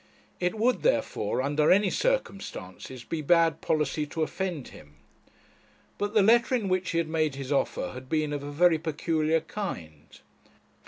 It would, therefore, under any circumstances, be bad policy to offend him. But the letter in which he had made his offer had been of a very peculiar kind.